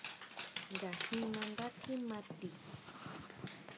¿Ngajin nandá tjima ti?